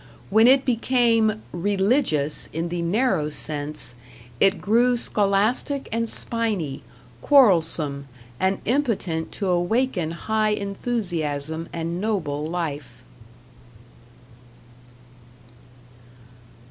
When it became "religious" in the narrow sense, it grew scholastic and spiny, quarrelsome, and impotent to awaken high enthusiasm and noble life.